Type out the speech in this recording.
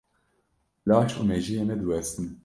Laş û mejiyê me diwestin.